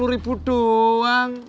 tambah lima ribu dong